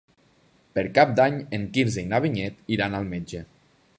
Per Cap d'Any en Quirze i na Vinyet iran al metge.